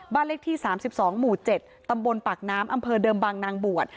บ้านเลขที่สามสิบสองหมู่เจ็ดตำบลปากน้ำอำเภอเดิมบางนางบวช